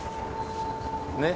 ねっ。